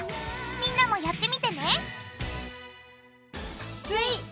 みんなもやってみてね！